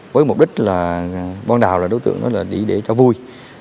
với mục đích là bọn đào là đối tượng đó là để cho vui